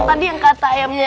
aduh akuan butet